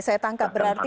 saya tangkap berarti